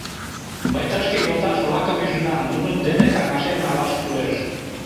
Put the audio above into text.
Мый тышке йолташ-влакым ӱжынам, нунын дене каҥашен налаш кӱлеш.